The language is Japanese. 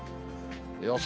予想